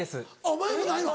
お前もないの。